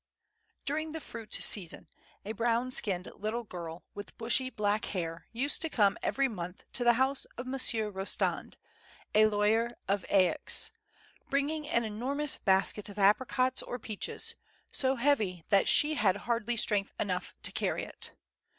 D uring the fruit season a brown skinned little girl with bushy black hair used to come every inoiith to the house of Monsieur Rostand, a lawyer of Aix, bringing an enormous basket of apricots or peaches, so heavy that she had hardly strength enough to carry it.